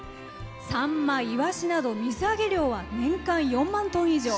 サンマ、イワシなど水揚げ量は年間４万トン以上。